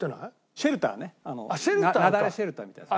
シェルターねあの雪崩シェルターみたいなやつ。